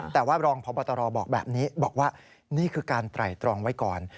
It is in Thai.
แต่ว่ารองพบตรบอกแบบนี้บอกว่านี่คือการไตรตรองไว้ก่อน